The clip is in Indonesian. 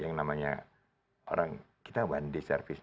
yang namanya orang kita one day service